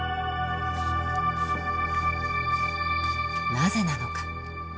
なぜなのか。